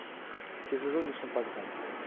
tes oiseaux ne sont pas grands.